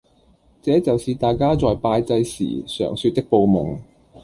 這就是大家在拜祭時常說旳報夢